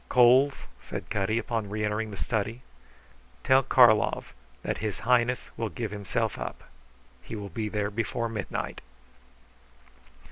"Coles," said Cutty upon reentering the study, "tell Karlov that His Highness will give himself up. He will be there before midnight."